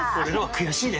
悔しいね。